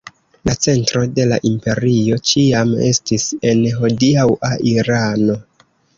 La centro de la imperio ĉiam estis en hodiaŭa Irano.